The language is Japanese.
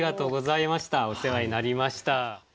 お世話になりました。